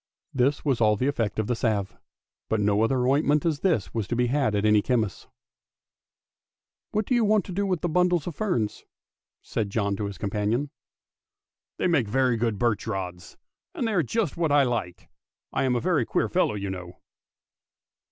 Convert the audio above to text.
This was all the effect of the salve; but no such ointment as this was to be had at any chemist's. " Whatever do you want with those bundles of fern? " said John to his companion. " They make very good birch rods, and they are just what I like. I am a very queer fellow, you know!